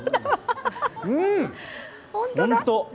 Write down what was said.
うーん！本当。